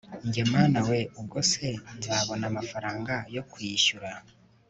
Njye Mana weee ubwo se nzabona amafaranga yo kuyishyura